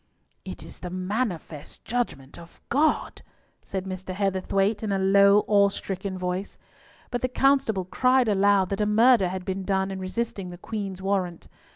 "It is the manifest judgment of God," said Mr. Heatherthwayte, in a low, awe stricken voice. But the constable cried aloud that a murder had been done in resisting the Queen's warrant.